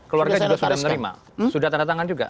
keluarga juga sudah menerima sudah tanda tangan juga